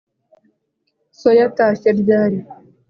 so yatashye ryari